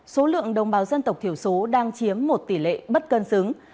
số lượng đồng bào dân tộc thiểu số đang chiếm một tỷ lệ bất cân xứng